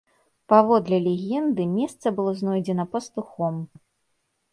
Паводле легенды, месца было знойдзена пастухом.